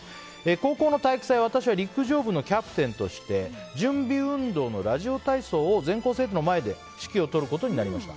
高校の体育祭、私は陸上部のキャプテンとして準備運動のラジオ体操を全校生徒の前で指揮を執ることになりました。